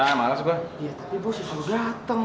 ya apakah kata kata kata anda semua dari sana